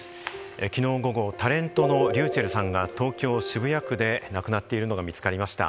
きのう午後、タレントのｒｙｕｃｈｅｌｌさんが東京・渋谷区で亡くなっているのが見つかりました。